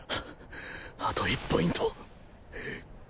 あと１ポイント